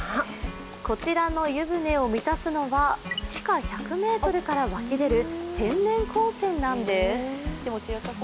こちらの湯船を満たすのは地下１００ｍから湧き出る天然鉱泉なんです。